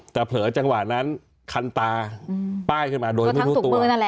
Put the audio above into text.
แต่เผลอจังหวะนั้นคันตาป้ายขึ้นมาโดยไม่รู้ตัว